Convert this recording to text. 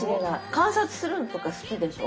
観察するのとか好きでしょ？